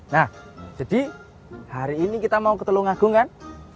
nah jadi hari ini kita mau ke telungagung kan